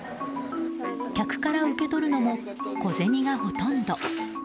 客から受け取るのも小銭がほとんど。